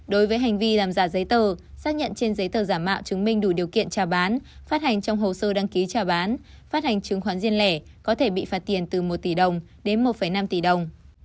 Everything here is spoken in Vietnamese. đối với hành vi làm giả giấy tờ xác nhận trên giấy tờ giả mạo chứng minh đủ điều kiện trả bán phát hành trong hồ sơ đăng ký trả bán phát hành chứng khoán riêng lẻ có thể bị phạt tiền từ một tỷ đồng đến một năm tỷ đồng